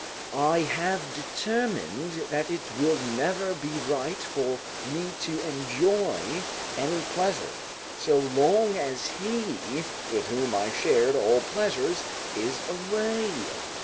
["I have determined that it will never be right for me to enjoy any pleasure, so long as he, with whom I shared all pleasures is away."